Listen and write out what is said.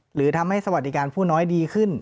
หรือทำให้สวัสดิการผู้น้อยดีขึ้น